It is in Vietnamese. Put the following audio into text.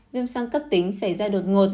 viêm soan cấp tính xảy ra đột ngột